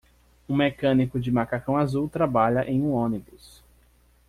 Um mecânico de macacão azul trabalha em um ônibus.